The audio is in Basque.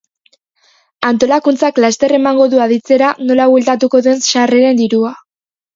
Antolakuntzak laster emango du aditzera nola bueltatuko duen sarreren dirua.